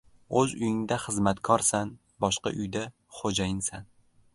• O‘z uyingda xizmatkorsan, boshqa uyda xo‘jayinsan.